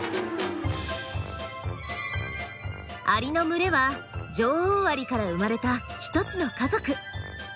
アリの群れは女王アリから生まれたひとつの家族。